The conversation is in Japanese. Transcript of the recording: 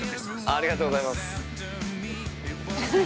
◆ありがとうございます。